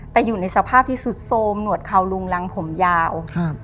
แต่อยู่ในสภาพที่สุดโทรมหวดเขาลุงรังผมยาวครับ